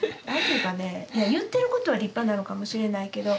いや言ってることは立派なのかもしれないけど。